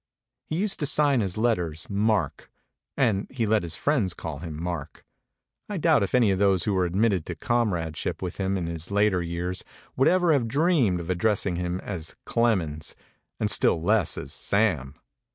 He used to sign his letters "Mark"; and he let his friends call him "Mark"; I doubt if any of those who were admitted to comradeship with him in his later years would ever have dreamed of addressing him as " Clemens" and still less as "Sam."